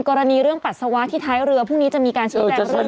กรณีเรื่องปัจสาวะที่ท้ายเรือพรุ่งนี้จะมีการใช้แบบเรื่องนี้ไหมครับ